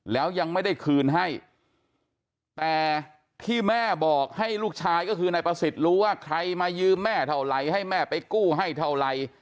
แล้วยังไม่ได้คืนให้แต่ที่แม่บอกให้ลูกชายก็คือนายประสิทธิ์รู้ว่าใครมายืมแม่เท่าไหร่ให้แม่ไปกู้ให้เท่าไร